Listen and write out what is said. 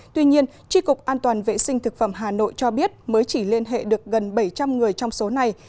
tuy nhiên tri cục an toàn vệ sinh thực phẩm hà nội cho biết mới chỉ liên hệ được gần bảy trăm linh người trong số này